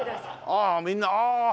ああみんなああ！